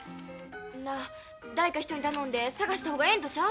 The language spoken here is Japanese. なあ誰か人に頼んで捜した方がええんとちゃう？